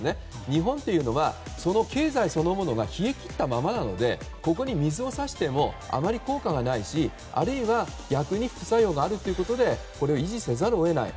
日本というのは、経済そのものが冷え切ったままなのでここに水を差してもあまり効果がないしあるいは、逆に副作用があるということ維持せざるを得ない。